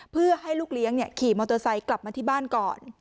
เพื่อให้ลูกเลี้ยงขี่มอเตอร์ไซค์กลับมาที่บ้านก่อน